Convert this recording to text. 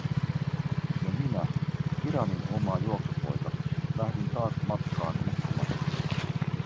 Ja minä, Kiranin oma juoksupoika, lähdin taas matkaan mukisematta.